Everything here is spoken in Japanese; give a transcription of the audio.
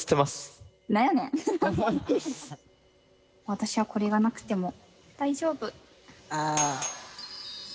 私はこれがなくても大丈夫。